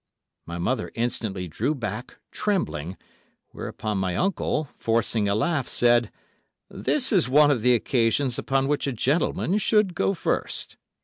My mother instantly drew back, trembling, whereupon my uncle, forcing a laugh, said, 'This is one of the occasions upon which a gentleman should go first.